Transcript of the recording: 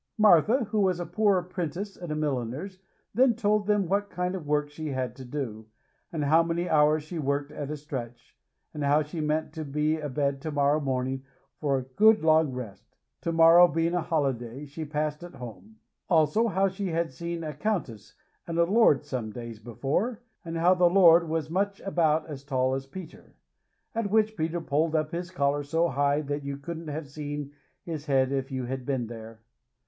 Martha, who was a poor apprentice at a milliner's, then told them what kind of work she had to do, and how many hours she worked at a stretch, and how she meant to be abed to morrow morning for a good long rest, to morrow being a holiday she passed at home. Also how she had seen a countess and a lord some days before, and how the lord "was much about as tall as Peter," at which Peter pulled up his collars so high that you couldn't have seen his head if you had been there.